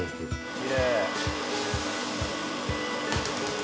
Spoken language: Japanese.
きれい！